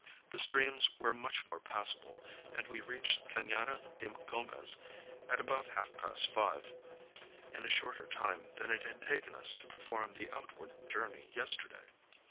The streams were much more passable, and we reached Ca├▒ada de Gomez at about half past five, in a shorter time, than it had taken us to perform the outward journey yesterday.